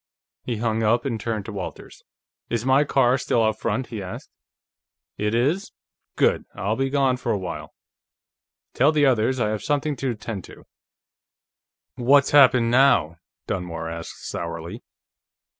He hung up, and turned to Walters. "Is my car still out front?" he asked. "It is? Good. I'll be gone for a while; tell the others I have something to attend to." "What's happened now?" Dunmore asked sourly.